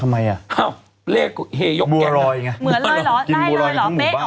ทำไมอ่ะมัวรอยไงเหมือนรอยหรอได้รอยหรอเป๊ะ